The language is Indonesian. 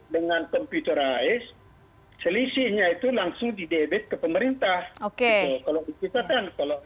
dengan computerize selisihnya itu langsung di debit ke pemerintah oke kalau kita kan kalau